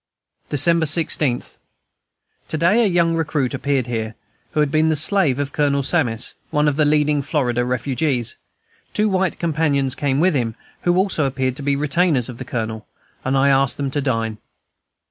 December 16. To day a young recruit appeared here, who had been the slave of Colonel Sammis, one of the leading Florida refugees. Two white companions came with him, who also appeared to be retainers of the Colonel, and I asked them to dine.